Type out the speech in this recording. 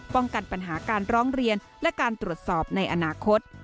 ป้องกันปัญหาการร้องเรียนและการตรวจสอบในอนาคต